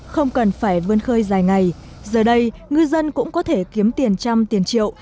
không cần phải vươn khơi dài ngày giờ đây ngư dân cũng có thể kiếm tiền trăm tiền triệu